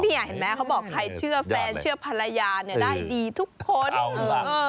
เห็นไหมเขาบอกใครเชื่อแฟนเชื่อภรรยาเนี่ยได้ดีทุกคนเออเออ